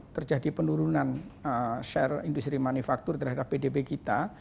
terjadi penurunan share industri manufaktur terhadap pdb kita